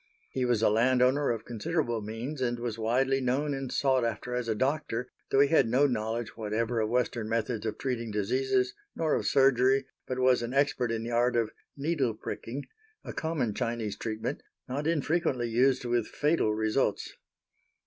He was a landowner of considerable means, and was widely known and sought after as a doctor though he had no knowledge whatever of Western methods of treating diseases, nor of surgery, but was an expert in the art of "needle pricking," a common Chinese treatment not infrequently used with fatal results.